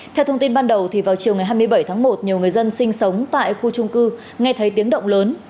theo thông tin ban đầu vào chiều ngày hai mươi bảy tháng một nhiều người dân sinh sống tại khu trung cư nghe thấy tiếng động lớn